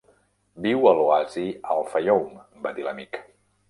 "Viu a l'oasi Al-Fayoum", va dir l'amic.